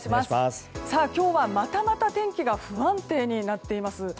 今日はまたまた天気が不安定になっています。